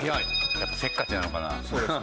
やっぱせっかちなのかな？